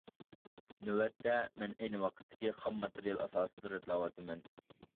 نۆۋەتتە مەن ئەينى ۋاقىتتىكى خام ماتېرىيال ئاساسىدا رەتلەۋاتىمەن.